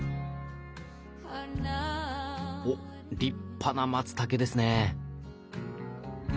おっ立派なマツタケですね！